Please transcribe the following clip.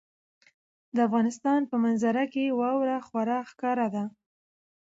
د افغانستان په منظره کې واوره خورا ښکاره ده.